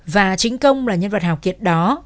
và chính công là nhân vật hào kiệt đó